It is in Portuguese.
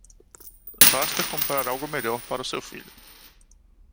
Basta comprar algo melhor para o seu filho.